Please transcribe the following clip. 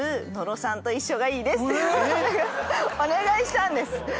お願いしたんです。